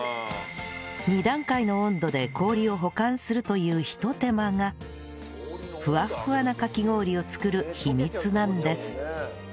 ２段階の温度で氷を保管するという一手間がフワッフワなかき氷を作る秘密なんです